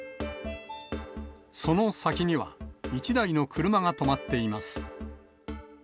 その先には、１台の車が止まっています。